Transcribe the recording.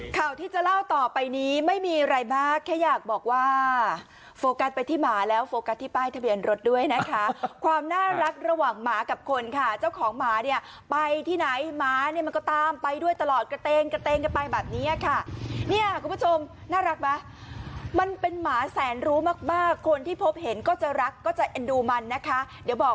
ข่าวที่จะเล่าต่อไปนี้ไม่มีอะไรมากแค่อยากบอกว่าโฟกัสไปที่หมาแล้วโฟกัสที่ป้ายทะเบียนรถด้วยนะคะความน่ารักระหว่างหมากับคนค่ะเจ้าของหมาเนี่ยไปที่ไหนหมาเนี่ยมันก็ตามไปด้วยตลอดกระเตงกระเตงกันไปแบบนี้ค่ะเนี่ยคุณผู้ชมน่ารักไหมมันเป็นหมาแสนรู้มากมากคนที่พบเห็นก็จะรักก็จะเอ็นดูมันนะคะเดี๋ยวบอก